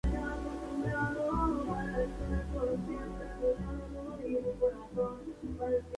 Fue su último club antes de retirarse.